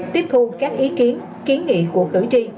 tiếp thu các ý kiến kiến nghị của cử tri